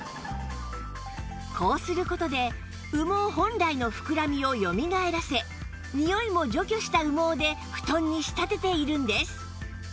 こうする事で羽毛本来の膨らみをよみがえらせにおいも除去した羽毛で布団に仕立てているんです